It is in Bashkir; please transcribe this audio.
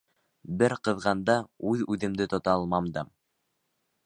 Бер ҡыҙғанда үҙ-үҙемде тота алмам да...